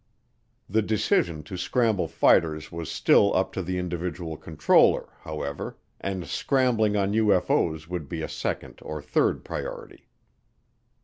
The decision to scramble fighters was still up to the individual controller, however, and scrambling on UFO's would be a second or third priority.